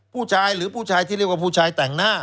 ผู้ชายหรือผู้ชายที่เรียกว่าผู้ชายแต่งหน้า